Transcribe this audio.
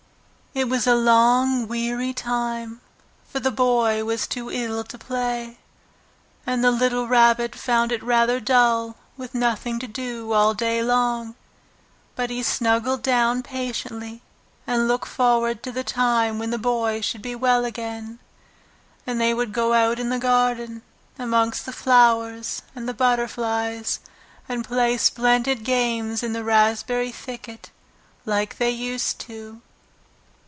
It was a long weary time, for the Boy was too ill to play, and the little Rabbit found it rather dull with nothing to do all day long. But he snuggled down patiently, and looked forward to the time when the Boy should be well again, and they would go out in the garden amongst the flowers and the butterflies and play splendid games in the raspberry thicket like they used to.